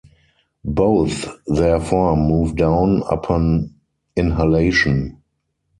Both, therefore, move down upon inhalation.